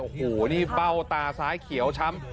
โอ้โหนี่เป้าตาซ้ายเขียวช้ำ